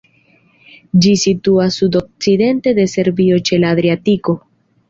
Ĝi situas sudokcidente de Serbio ĉe la Adriatiko.